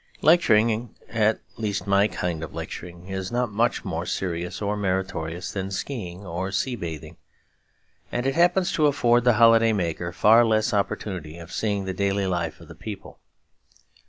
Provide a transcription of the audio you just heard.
Lecturing, at least my kind of lecturing, is not much more serious or meritorious than ski ing or sea bathing; and it happens to afford the holiday maker far less opportunity of seeing the daily life of the people.